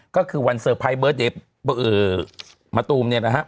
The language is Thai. ก็คือวันเซอร์ไพรส์เบิร์ดเดชน์มะตูม